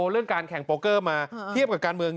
เรื่องการแข่งโปรเกอร์มาเทียบกับการเมือง